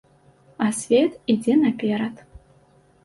А свет ідзе наперад.